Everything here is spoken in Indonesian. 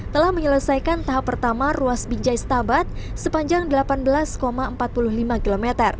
telah menyelesaikan tahap pertama ruas binjai setabat sepanjang delapan belas empat puluh lima km